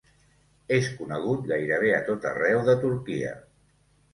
És conegut gairebé a tot arreu de Turquia.